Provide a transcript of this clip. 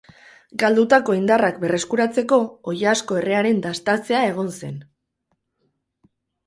Galdutako indarrak berreskuratzeko, oilasko errearen dastatzea egon zen.